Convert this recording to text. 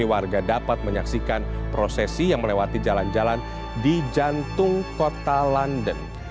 jadi warga dapat menyaksikan prosesi yang melewati jalan jalan di jantung kota london